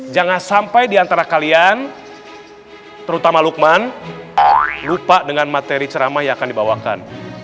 jangan sampai diantara kalian terutama lukman lupa dengan materi ceramah yang akan dibawakan